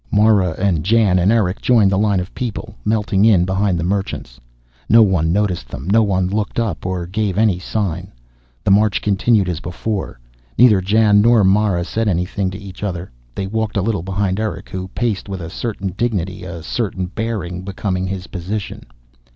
Mara and Jan and Erick joined the line of people, melting in behind the merchants. No one noticed them; no one looked up or gave any sign. The march continued as before. Neither Jan nor Mara said anything to each other. They walked a little behind Erick, who paced with a certain dignity, a certain bearing becoming his position.